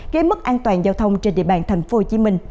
gây mất an toàn giao thông trên địa bàn tp hcm